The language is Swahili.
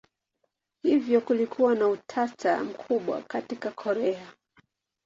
Hivyo kulikuwa na utata mkubwa katika Korea.